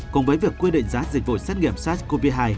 cùng với việc quy định giá dịch vụ xét nghiệm sars cov hai